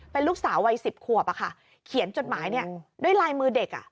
เป็นลูกสาววัย๑๐ขวบเขียนจดหมายด้วยลายมือเด็ก